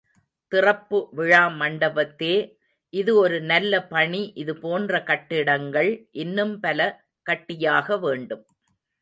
திறப்பு விழா மண்டபத்தே— இது ஒரு நல்ல பணி இது போன்ற கட்டிடங்கள் இன்னும் பல கட்டியாக வேண்டும்.